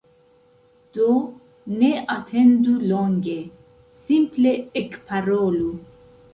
Do, ne atendu longe, simple Ekparolu!